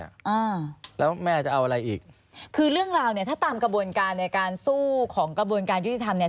อ่าแล้วแม่จะเอาอะไรอีกคือเรื่องราวเนี้ยถ้าตามกระบวนการในการสู้ของกระบวนการยุติธรรมเนี่ย